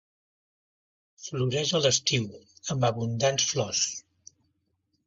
Floreix a l'estiu, amb abundants flors.